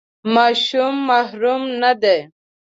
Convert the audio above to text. ماشوم محرم نه دی.